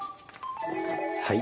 はい。